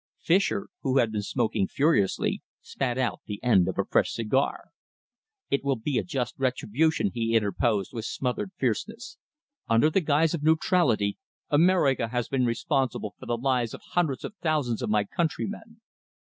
Fischer, who had been smoking furiously, spat out the end of a fresh cigar. "It will be a just retribution," he interposed, with smothered fierceness. "Under the guise of neutrality, America has been responsible for the lives of hundreds of thousands of my countrymen.